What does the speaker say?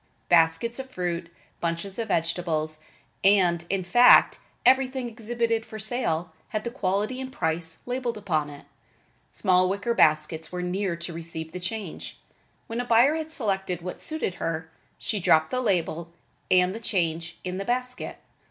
Baskets of fruit, bunches of vegetables and, in fact, everything exhibited for sale, had the quality and the price labeled upon it. Small wicker baskets were near to receive the change. When a buyer had selected what suited her, she dropped the label and the change in the basket.